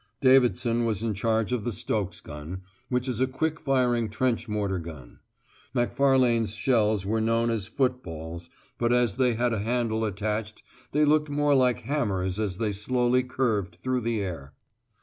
Davidson was in charge of the Stokes gun, which is a quick firing trench mortar gun. Macfarlane's shells were known as "footballs," but as they had a handle attached they looked more like hammers as they slowly curved through the air.